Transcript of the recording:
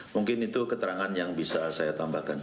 mungkin itu keterangan yang bisa saya tambahkan